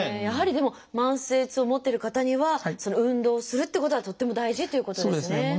やはりでも慢性痛を持ってる方には運動をするっていうことはとっても大事ということですね。